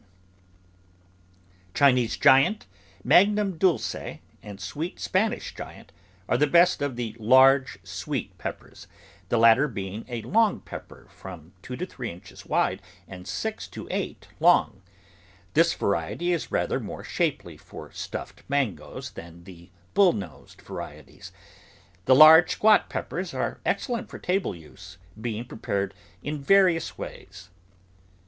THE VEGETABLE GARDEN Chinese Giant, Magnum Dulce, and Sweet Spanish Giant are the best of the large sweet pep pers, the latter being a long pepper, from two to three inches wide and six to eight long ; this variety is rather more shapely for stuffed mangoes than the bull nosed varieties. The large squat peppers are excellent for table use, being prepared in vari ous ways.